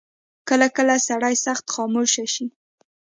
کله کله سړی سخت خاموشه شي.